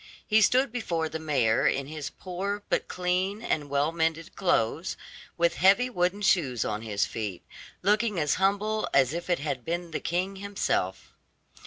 He stood before the mayor in his poor but clean and well mended clothes, with heavy wooden shoes on his feet, looking as humble as if it had been the king himself.